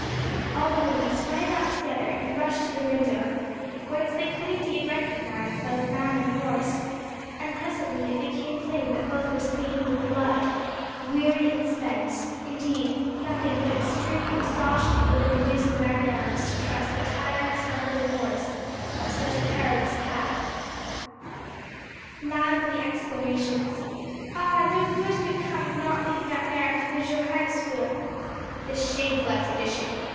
All the women sprang up together, and rushed to the window, whence they could indeed recognize both man and horse; and presently it became plain that both were stained with blood, weary, and spent; indeed, nothing but extreme exhaustion would have induced the man at arms to trust the tired, stumbling horse up such a perilous path. Loud were the exclamations, "Ah! no good could come of not leading that mare through the Johannisfeuer." "This shameful expedition!